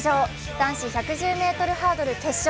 男子１１０ｍハードル決勝。